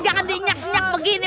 jangan dinyek nyek begini